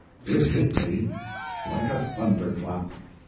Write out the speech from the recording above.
It hit me like a thunder clap.